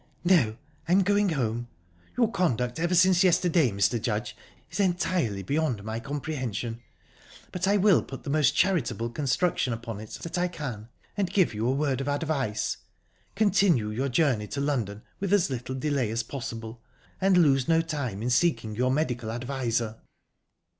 "No, I'm going home. Your conduct ever since yesterday, Mr. Judge, is entirely beyond my comprehension, but I will put the most charitable construction upon it that I can, and give you a word of advice. Continue your journey to London with as little delay as possible, and lose no time in seeking your medical adviser."